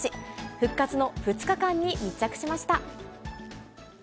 復活の２日間に密着しました。